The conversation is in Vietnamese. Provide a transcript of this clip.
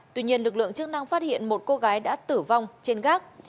tuy nhiên lực lượng chức năng phát hiện một cô gái đã tử vong trên gác